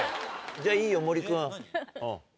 じゃあいいよ森君。